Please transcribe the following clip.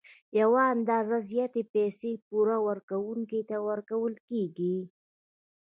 یوه اندازه زیاتې پیسې پور ورکوونکي ته ورکول کېږي